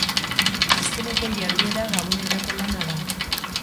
Azkeneko jarduera gabonetako lana da.